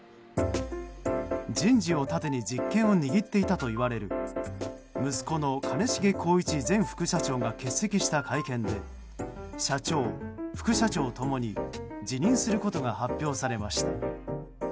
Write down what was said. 人事を盾に実権を握っていたといわれる息子の兼重宏一前副社長が欠席した会見で社長・副社長共に辞任することが発表されました。